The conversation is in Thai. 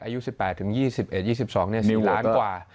อายุ๑๘๒๑๒๒ล้านกว่า